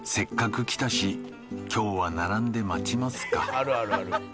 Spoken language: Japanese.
「あるあるある」